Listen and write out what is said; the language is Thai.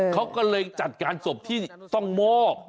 เขาก็เลยจัดการศพที่ต้องมอบ